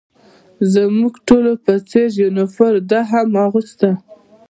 زموږ ټولو په څېر یونیفورم ده هم اغوسته.